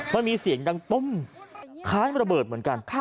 มันมีเสียงดังตุ้มคล้ายระเบิดเหมือนกัน